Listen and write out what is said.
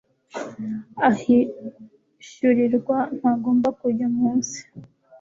ahishyurirwa ntagomba kujya munsi